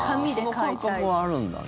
その感覚はあるんだね。